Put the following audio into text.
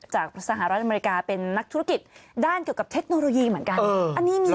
จากสหรัฐอเมริกาเป็นนักธุรกิจด้านเกี่ยวกับเทคโนโลยีเหมือนกัน